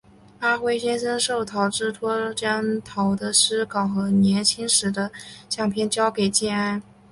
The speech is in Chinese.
阿辉先生受陶之托将陶的诗稿和年轻时的相片交给建安。